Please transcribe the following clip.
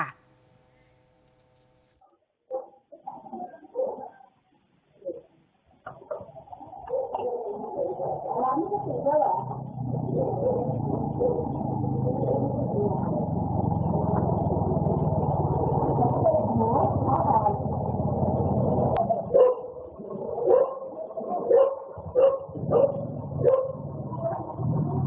มันเป็นอุทหรณ์ฝ่าย